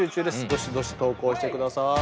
どしどし投稿してください！